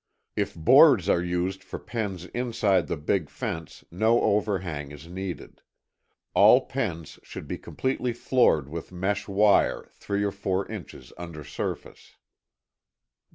If boards are used for pens inside the big fence no overhang is needed. All pens should be completely floored with mesh wire three or four inches under surface.